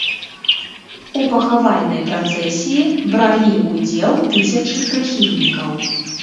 У пахавальнай працэсіі бралі ўдзел тысячы прыхільнікаў.